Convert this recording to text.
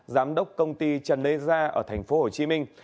giám đốc công ty trần lê gia ở thành phố hồ chí minh